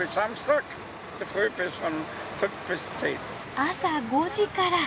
朝５時から！